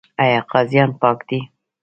آیا قاضیان پاک دي؟